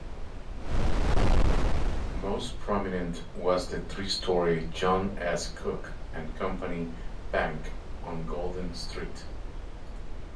Most prominent was the three-story John S. Cook and Company Bank on Golden Street.